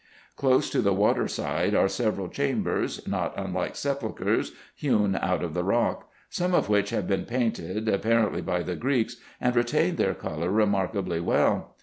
Close to the water side are several chambers, not unlike sepulchres, hewn out of the rock ; some of which have been painted, apparently by the Greeks, and retain their colour remarkably well.